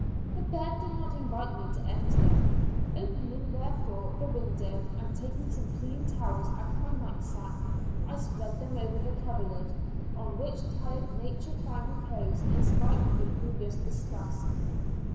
The bed did not invite me to enter; opening, therefore, the window, and taking some clean towels out of my night sack, I spread them over the coverlid, on which tired Nature found repose, in spite of the previous disgust.